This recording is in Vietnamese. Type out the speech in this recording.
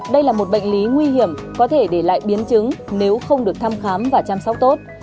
đây là một bệnh lý nguy hiểm có thể để lại biến chứng nếu không được thăm khám và chăm sóc tốt